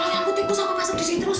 emang aku tipu sama pasok disini terus